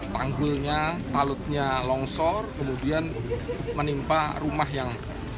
tanggulnya alutnya longsor kemudian menimpa rumah yang